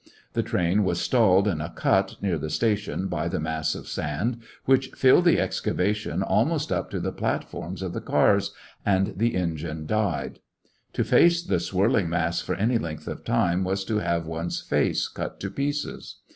The train was stalled in a cut near the station by the mass of sand^ which filled the excavation almost up to the platforms of the earsj and the engine *^died*" To face the swirling mass for any length of time was to have one's face cnt to pieces.